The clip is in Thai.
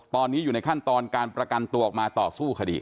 ตอนนี้อยู่ในขั้นตอนการประกันตัวออกมาต่อสู้คดี